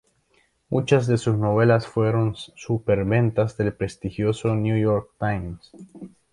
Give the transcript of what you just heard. Muchas de sus novelas fueron superventas del prestigioso New York Times.